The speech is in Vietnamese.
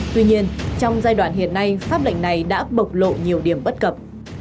tuy nhiên trong giai đoạn hiện nay pháp lệnh này đã bộc lộ nhiều điểm bất cập